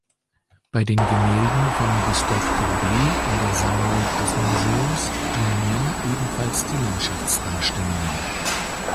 Bei den Gemälden von Gustave Courbet in der Sammlung des Museums dominieren ebenfalls Landschaftsdarstellungen.